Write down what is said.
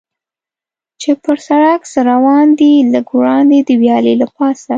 چې پر سړک څه روان دي، لږ وړاندې د ویالې له پاسه.